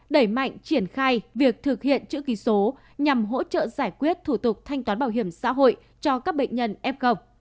đẩy mạnh triển khai việc thực hiện chữ ký số nhằm hỗ trợ giải quyết thủ tục thanh toán bảo hiểm xã hội cho các bệnh nhân f